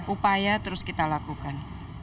upaya terus kita lakukan